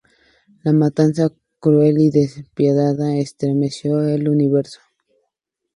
La matanza cruel y despiadada estremeció el universo.